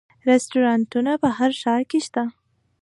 رستورانتونه په هر ښار کې شته